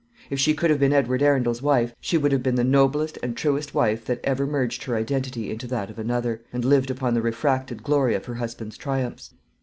If she could have been Edward Arundel's wife, she would have been the noblest and truest wife that ever merged her identity into that of another, and lived upon the refracted glory of her husband's triumphs.